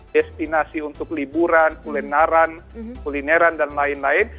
destinasi untuk liburan kulineran kulineran dan lain lain